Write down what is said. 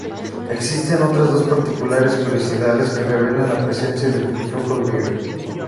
Existen otras dos particulares curiosidades que revelan la presencia del influjo griego.